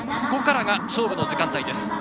ここからが勝負の時間帯です。